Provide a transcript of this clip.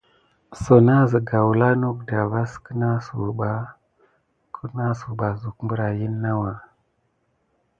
Sina siga wule anok da vas ka mis kinasuk ba pane suk berakin nawa.